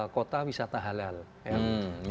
kota wisata halal